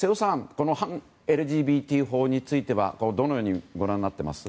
この反ＬＧＢＴ法についてはどのようにご覧になってます？